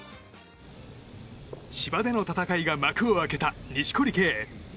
芝での戦いが幕を開けた錦織圭。